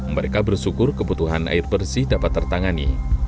mereka bersyukur kebutuhan air bersih dapat tertangani